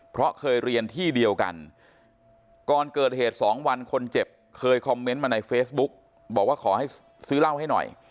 เพราะเคยเรียนที่เดียวกันก่อนเกิดเหตุ๒วันคนเจ็บเคยคอมเมนต์มาในเฟซบุ๊กบอกว่าขอให้ซื้อเหล้าให้หน่อย